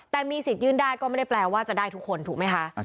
แต่มีสิทธิ์ยื่นได้ก็ไม่ได้แปลว่าจะได้ทุกคนถูกไหมคะ